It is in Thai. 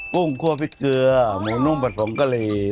กุ้พริกเกลือหมูนุ่มผัดผงกะหรี่